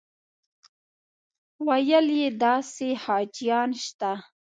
ویل یې داسې حاجیان شته.